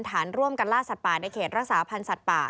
ฐานร่วมกันล่าสัตว์ป่าในเขตรักษาพันธ์สัตว์ป่า